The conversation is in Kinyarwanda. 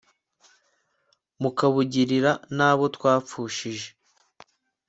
mukabugirira n'abo twapfushije